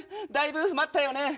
だいぶ待ったよね。